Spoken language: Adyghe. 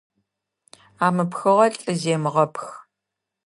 Амыпхыгъэ лӏы земыгъэпх.